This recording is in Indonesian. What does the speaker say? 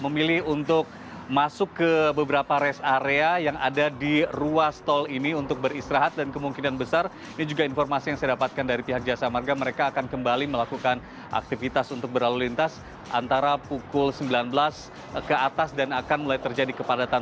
memilih untuk masuk ke beberapa rest area yang ada di ruas tol ini untuk beristirahat dan kemungkinan besar ini juga informasi yang saya dapatkan dari pihak jasa marga mereka akan kembali melakukan aktivitas untuk berlalu lintas antara pukul sembilan belas ke atas dan akan mulai terjadi kepadatan